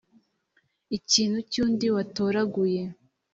ikintu cy undi watoraguye